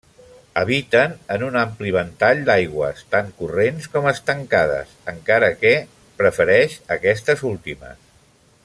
Habiten en un ampli ventall d'aigües, tant corrents com estancades, encara que prefereix aquestes últimes.